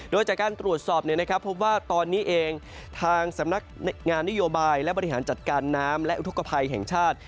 โดยจากการตรวจสอบพบว่าตอนนี้เองทางสำนักงานนโยบายและบริหารจัดการน้ำและอุทธกภัยแห่งชาติ